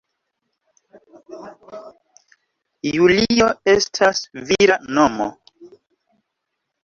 Julio estas vira nomo.